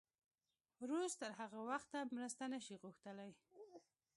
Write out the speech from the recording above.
روس تر هغه وخته مرسته نه شي غوښتلی.